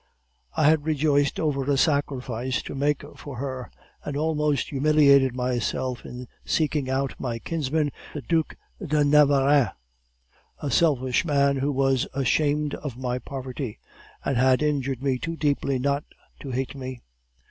"I had rejoiced over a sacrifice to make for her, and almost humiliated myself in seeking out my kinsman, the Duc de Navarreins, a selfish man who was ashamed of my poverty, and had injured me too deeply not to hate me.